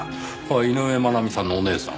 井上真奈美さんのお姉さん。